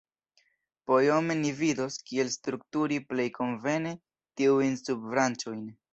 Poiome ni vidos, kiel strukturi plej konvene tiujn subbranĉojn.